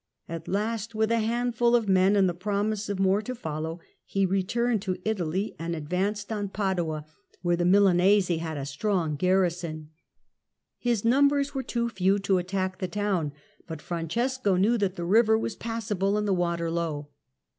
At last, with a handful of men and the promise of more to foUow, he returned to Italy and advanced on Padua, ITALY, 1382 1453 191 where the Milanese had a strong garrison. His numbers were too few to attack the town, but Francesco knew that the river was passable and the water low.